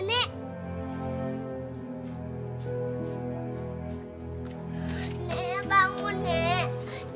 nenek bangun nek